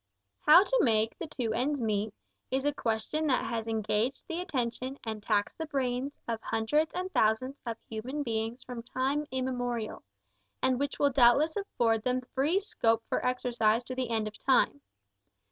How to "make the two ends meet," is a question that has engaged the attention and taxed the brains of hundreds and thousands of human beings from time immemorial, and which will doubtless afford them free scope for exercise to the end of time.